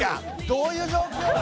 どういう状況？